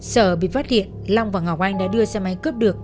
sở bị phát hiện long và ngọc anh đã đưa xe máy cướp được